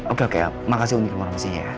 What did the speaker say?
oke oke makasih untuk mengharusinya